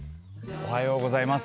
おはようございます。